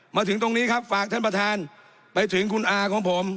มาถึงตรงนี้ครับฝากท่านประธานไปถึงคุณอาของผม